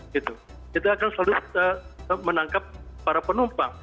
kita akan selalu menangkap para penumpang